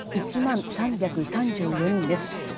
１万３３４人です。